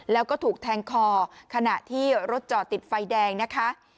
แล้วก็ถูกแทงคอขณะที่รถจอดติดไฟแดงนะคะ